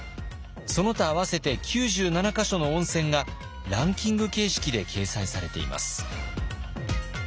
その他合わせて９７か所の温泉がランキング形式で掲載されています。